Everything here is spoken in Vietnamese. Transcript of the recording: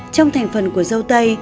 trong thành phần của râu tây